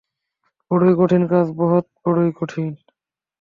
বড়ই কঠিন কাজ, বৎস, বড়ই কঠিন।